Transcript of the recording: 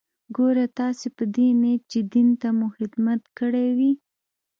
ګوره تاسې په دې نيت چې دين ته مو خدمت کړى وي.